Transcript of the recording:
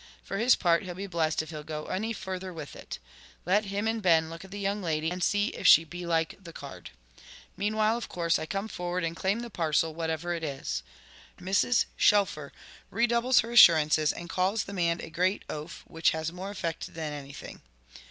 For his part, he'll be blessed if he'll go any further with it. Let him and Ben look at the young lady, and see if she be like the card. Meanwhile, of course, I come forward and claim the parcel, whatever it is. Mrs. Shelfer redoubles her assurances, and calls the man a great oaf, which has more effect than anything.